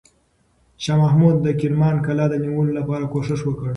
شاه محمود د کرمان قلعه د نیولو لپاره کوښښ وکړ.